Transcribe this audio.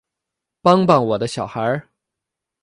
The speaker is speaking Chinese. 帮帮我的小孩